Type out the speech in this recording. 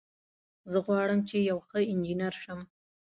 زه غواړم چې یو ښه انجینر شم